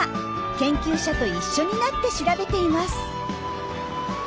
研究者と一緒になって調べています。